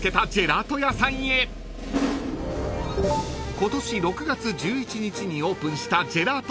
［今年６月１１日にオープンしたジェラート